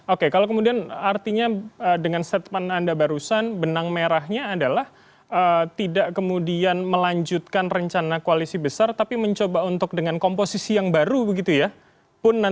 oke kalau kemudian artinya dengan statement anda barusan benang merahnya adalah tidak kemudian melanjutkan rencana koalisi besar tapi mencoba untuk dengan komposisi yang baru begitu ya